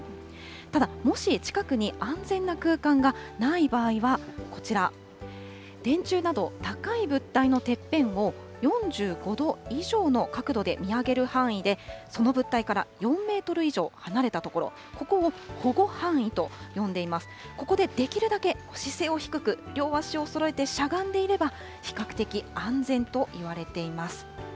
ただ、もし近くに安全な空間がない場合は、こちら、電柱など高い物体のてっぺんを４５度以上の角度で見上げる範囲で、その物体から４メートル以上離れた所、ここを保護範囲と呼んでいますが、ここでできるだけ姿勢を低く、両足をそろえてしゃがんでいれば、比較的安全といわれています。